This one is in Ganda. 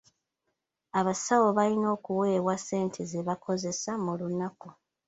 Abasawo balina okuweebwa ssente ze bakozesa mu lunaku.